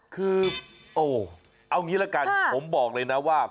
คือโอ้เอางี้ละกันผมบอกเลยนะว่า